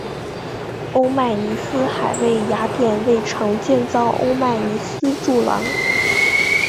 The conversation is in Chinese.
欧迈尼斯还为雅典卫城建造欧迈尼斯柱廊。